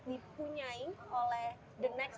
dipunyai oleh the next